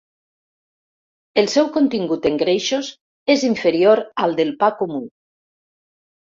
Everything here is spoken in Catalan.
El seu contingut en greixos és inferior al del pa comú.